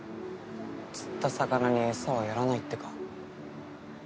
釣った魚に餌はやらないってか。